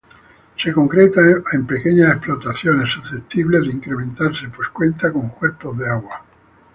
Se concreta a pequeñas explotaciones, susceptibles de incrementarse pues cuenta con cuerpos de agua.